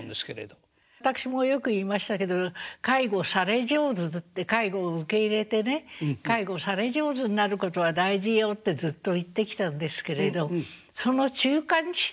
私もよく言いましたけど介護され上手って介護を受け入れてね介護され上手になることは大事よってずっと言ってきたんですけれどその中間地点があるんですね。